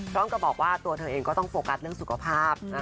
ก็บอกว่าตัวเธอเองก็ต้องโฟกัสเรื่องสุขภาพ